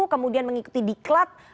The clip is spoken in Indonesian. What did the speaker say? kemudian mengikuti diklat